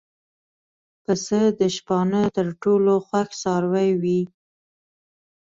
پسه د شپانه تر ټولو خوښ څاروی وي.